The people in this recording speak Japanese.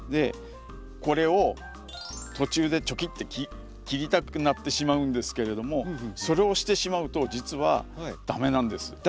これを途中でチョキって切りたくなってしまうんですけれどもそれをしてしまうと実は駄目なんです。